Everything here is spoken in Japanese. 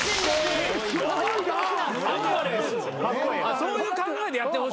そういう考えでやってほしいな。